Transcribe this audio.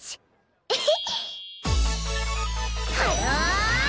エヘッ。